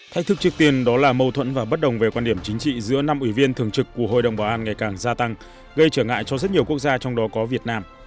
thách thức trước tiên đó là mâu thuẫn và bất đồng về quan điểm chính trị giữa năm ủy viên thường trực của hội đồng bảo an ngày càng gia tăng gây trở ngại cho rất nhiều quốc gia trong đó có việt nam